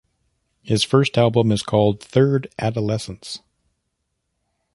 His first album is called Third Adolescence.